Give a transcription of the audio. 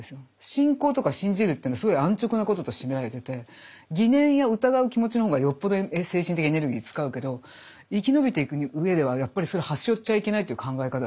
信仰とか信じるっていうのすごい安直なこととして見られてて疑念や疑う気持ちの方がよっぽど精神的エネルギー使うけど生きのびていく上ではやっぱりそれ端折っちゃいけないっていう考え方がある。